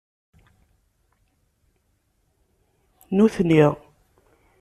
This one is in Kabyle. Nutni